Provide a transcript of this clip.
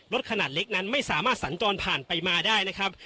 ขนาดเล็กนั้นไม่สามารถสัญจรผ่านไปมาได้นะครับ